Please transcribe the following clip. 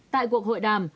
tại cuộc hội đàm